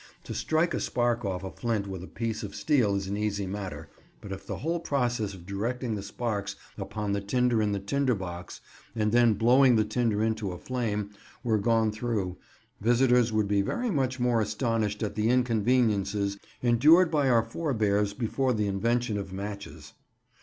To strike a spark off a flint with a piece of steel is an easy matter, but if the whole process of directing the sparks upon the tinder in the tinder box and then blowing the tinder into a flame were gone through, visitors would be very much more astonished at the inconveniences endured by our forbears before the invention of matches.